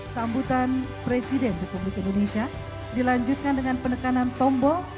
sambutan presiden republik indonesia dilanjutkan dengan penekanan tombol